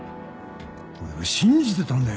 俺は信じてたんだよ。